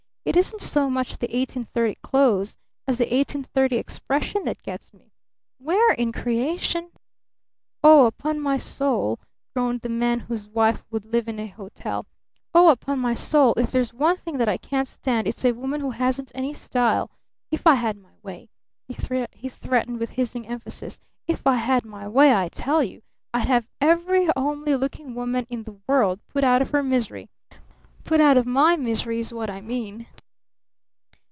"It isn't so much the '1830 clothes' as the 1830 expression that gets me! Where in creation " "Oh, upon my soul," groaned the man whose wife "would live in a hotel." "Oh, upon my soul if there's one thing that I can't stand it's a woman who hasn't any style! If I had my way," he threatened with hissing emphasis, "if I had my way, I tell you, I'd have every homely looking woman in the world put out of her misery! Put out of my misery is what I mean!"